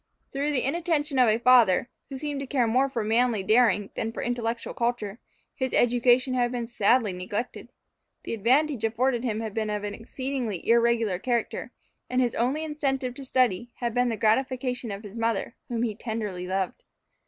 Through the inattention of a father, who seemed to care more for manly daring than for intellectual culture, his education had been sadly neglected. The advantages afforded him had been of an exceedingly irregular character, and his only incentive to study had been the gratification of his mother, whom he tenderly loved.